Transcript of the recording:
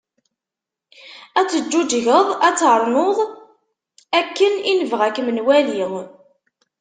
Ad teǧğuğegḍ ad trennuḍ, akken i nebɣa ad kem-nwali."